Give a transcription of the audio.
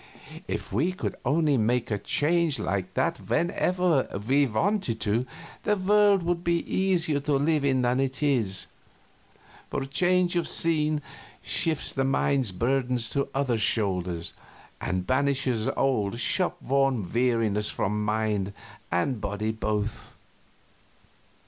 If we could only make a change like that whenever we wanted to, the world would be easier to live in than it is, for change of scene shifts the mind's burdens to the other shoulder and banishes old, shop worn wearinesses from mind and body both.